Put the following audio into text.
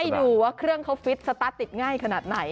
ดูว่าเครื่องเขาฟิตสตาร์ทติดง่ายขนาดไหน